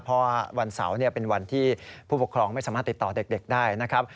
เพราะวันเสาร์เป็นวันที่ผู้ปกครองไม่สามารถติดต่อเด็กได้นะครับ